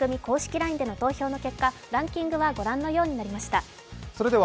ＬＩＮＥでの投票の結果、ランキングはご覧のようになりました。